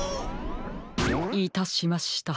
⁉いたしました。